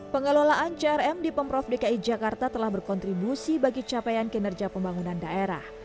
pengelolaan crm di pemprov dki jakarta telah berkontribusi bagi capaian kinerja pembangunan daerah